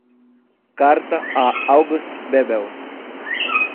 Carta a August Bebel